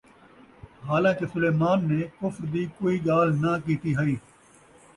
حالانکہ سلیمان نے کفر دِی کوئی ڳالھ نہ کِیتی ہَئی